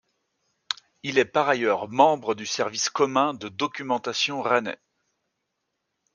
Il est par ailleurs membre du service commun de documentation rennais.